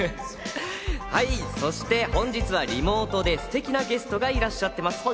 はい、そして本日はリモートでステキなゲストがいらっしゃっています。